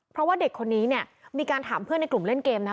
เพราะว่าเด็กคนนี้เนี่ยมีการถามเพื่อนในกลุ่มเล่นเกมนะ